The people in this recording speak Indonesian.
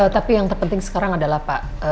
tapi yang terpenting sekarang adalah pak